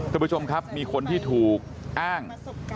คุณผู้ชมครับมีคนที่ถูกอ้าง